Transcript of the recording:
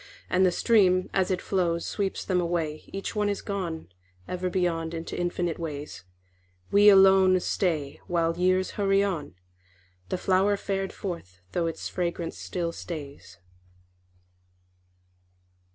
And the stream as it flows Sweeps them away, Each one is gone Ever beyond into infinite ways. We alone stay While years hurry on, The flower fared forth, though its fragrance still stays.